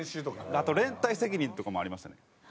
あと連帯責任とかもありましたね。